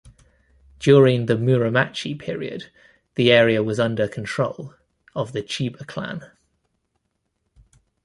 During the Muromachi period, the area was under control of the Chiba clan.